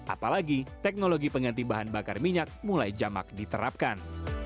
apalagi teknologi pengganti bahan bakar minyak mulai jamak diterapkan